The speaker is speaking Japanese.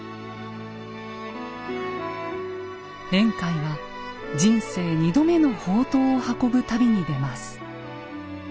円海は人生２度目の法灯を運ぶ旅に出ます。